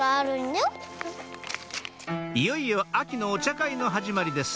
いよいよ秋のお茶会の始まりです！